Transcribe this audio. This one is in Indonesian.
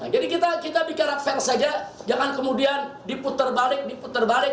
jadi kita dikira fans saja jangan kemudian diputer balik diputer balik